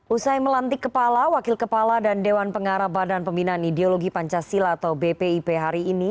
usai melantik kepala wakil kepala dan dewan pengarah badan pembinaan ideologi pancasila atau bpip hari ini